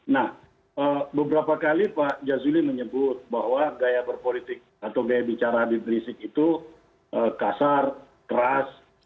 nah beberapa kali pak jazuli menyebut bahwa gaya berpolitik atau gaya bicara habib rizik itu kasar keras